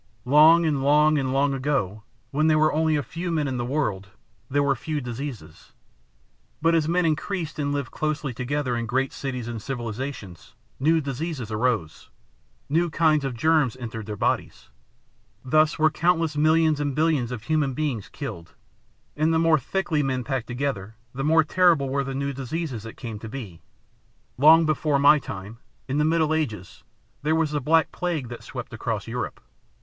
Long and long and long ago, when there were only a few men in the world, there were few diseases. But as men increased and lived closely together in great cities and civilizations, new diseases arose, new kinds of germs entered their bodies. Thus were countless millions and billions of human beings killed. And the more thickly men packed together, the more terrible were the new diseases that came to be. Long before my time, in the middle ages, there was the Black Plague that swept across Europe.